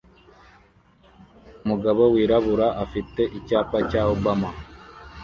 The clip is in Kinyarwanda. Umugabo wirabura afite icyapa cya Obama